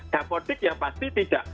dapodik ya pasti tidak